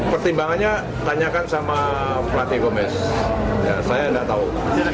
pertimbangannya tanyakan sama platy gomez saya tidak tahu